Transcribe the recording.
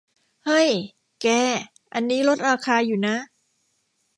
เฮ้ย แก อันนี้ลดราคาอยู่นะ